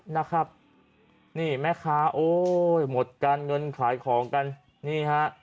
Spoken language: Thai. นะครับนี่แม่ค้าโอ้ยหมดการเงินขายของกันนี่ฮะ